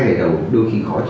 hai ngày đầu đôi khi khó